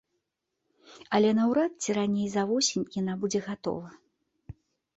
Але наўрад ці раней за восень яна будзе гатова.